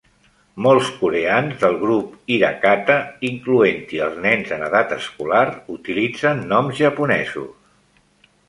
Molts coreans del grup Hirakata, incloent-hi els nens en edat escolar, utilitzen noms japonesos.